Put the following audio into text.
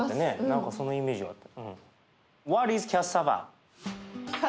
何かそのイメージがあった。